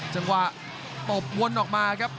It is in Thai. จังหวะตบวนออกมาครับ